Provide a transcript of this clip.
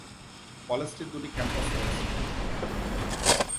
কলেজটির দুটি ক্যাম্পাস রয়েছে।